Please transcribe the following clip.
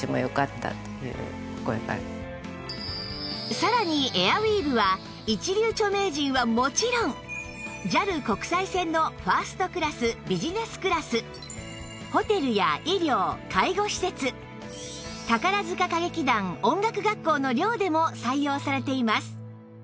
さらにエアウィーヴは一流著名人はもちろん ＪＡＬ 国際線のファーストクラスビジネスクラスホテルや医療・介護施設宝塚歌劇団音楽学校の寮でも採用されています